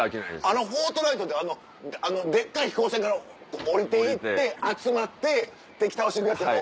あの『フォートナイト』ってあのデッカい飛行船から下りていって集まって敵倒しに行くやつやろ？